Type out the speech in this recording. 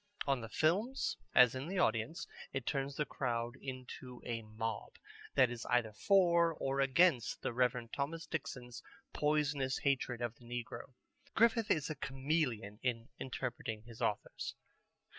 On the films, as in the audience, it turns the crowd into a mob that is either for or against the Reverend Thomas Dixon's poisonous hatred of the negro. Griffith is a chameleon in interpreting his authors.